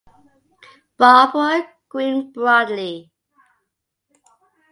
Barbara grinned broadly.